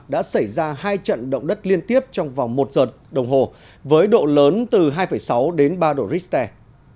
đã xảy ra hai trận động đất liên tiếp trong vòng một giờ đồng hồ với độ lớn từ hai sáu đến ba độ richter